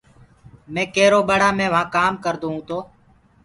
مي ڪيرو ٻڙآ مي وهآنٚ ڪآم ڪردونٚ تو